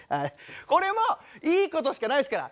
これもいいことしかないですから。